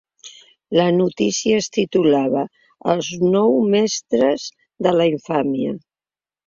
La notícia es titulava ‘Els nou mestres de la infàmia’.